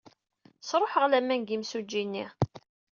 Sṛuḥeɣ laman deg yimsujji-nni.